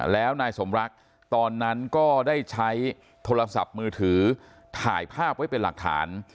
แล้วนายสมรักตอนนั้นก็ได้ใช้โทรศัพท์มือถือถ่ายภาพไว้เป็นหลักฐาน